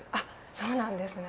そうなんですね